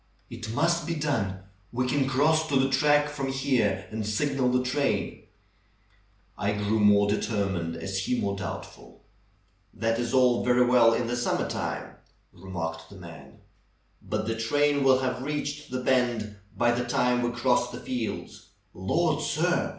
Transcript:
"It must be done! We can cross to the track from here and signal the train." I grew more determined as he more doubtful. "That is all very well in the summer time," re marked the man, "but the train will have reached the bend by the time we cross the fields. Lord, sir!